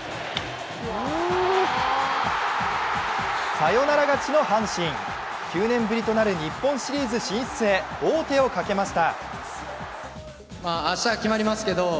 サヨナラ勝ちの阪神９年ぶりとなる日本シリーズ進出へ王手をかけました。